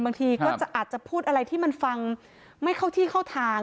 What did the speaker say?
บางทีก็อาจจะพูดอะไรที่มันฟังไม่เข้าที่เข้าทาง